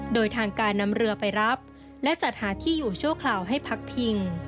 โดยทางการนำเรือไปรับและจัดหาที่อยู่ชั่วคราวให้พักพิง